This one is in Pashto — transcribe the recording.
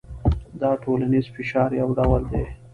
دا د ټولنیز فشار یو ډول دی.